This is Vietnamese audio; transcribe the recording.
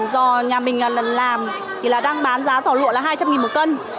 do nhà mình làm thì đang bán giá thỏa lụa là hai trăm linh một cân